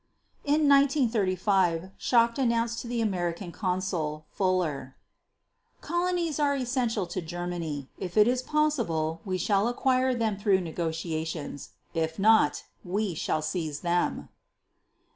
In 1935, Schacht announced to the American Consul Fuller: "Colonies are essential to Germany. If it is possible, we shall acquire them through negotiations, if not, we shall seize them."